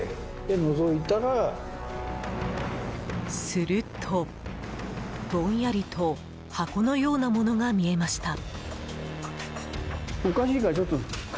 すると、ぼんやりと箱のようなものが見えました。